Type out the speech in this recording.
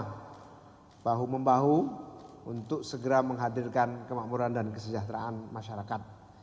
kita akan berbahu bahu untuk segera menghadirkan kemakmuran dan kesejahteraan masyarakat